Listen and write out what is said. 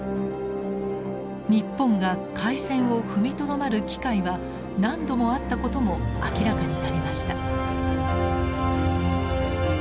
日本が開戦を踏みとどまる機会は何度もあったことも明らかになりました。